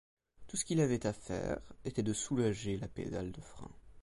Tout ce qu'il avait à faire était de soulager la pédale de frein.